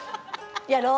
やろう。